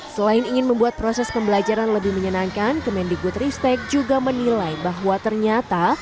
selain ingin membuat proses pembelajaran lebih menyenangkan kemendikbud ristek juga menilai bahwa ternyata